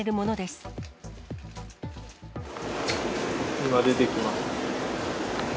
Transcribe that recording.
今、出てきます。